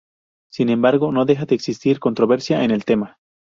Sin embargo, no deja de existir controversia en el tema.